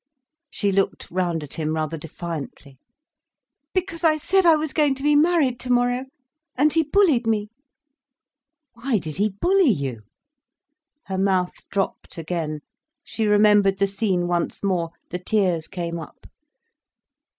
She looked round at him, rather defiantly. "Because I said I was going to be married tomorrow, and he bullied me." "Why did he bully you?" Her mouth dropped again, she remembered the scene once more, the tears came up.